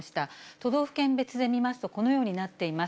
都道府県別で見ますと、このようになっています。